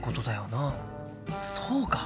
そうか！